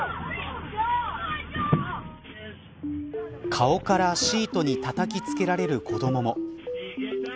顔からシートにたたきつけられる子どもも。